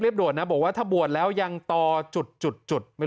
เรียบดด่วนนะบอกว่าถ้าบวดแล้วยังต่อจุดจุดจุดไม่